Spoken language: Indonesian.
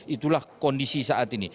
itulah kondisi saat ini